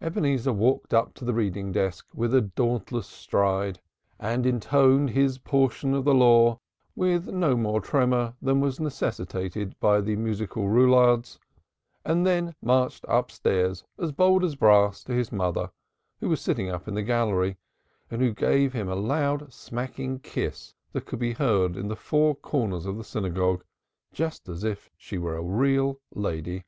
Ebenezer walked up to the Reading Desk with a dauntless stride and intoned his Portion of the Law with no more tremor than was necessitated by the musical roulades, and then marched upstairs, as bold as brass, to his mother, who was sitting up in the gallery, and who gave him a loud smacking kiss that could be heard in the four corners of the synagogue, just as if she were a real lady.